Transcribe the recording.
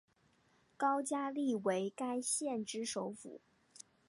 高加力为该县之首府。